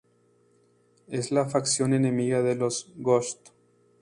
Es la facción enemiga de los Ghosts.